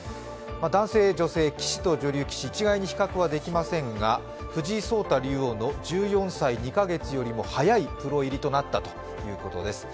男性、女性、棋士と女流棋士一概に比較はできませんが、藤井聡太竜王の１４歳２カ月よりも早いプロ入りとなったということです。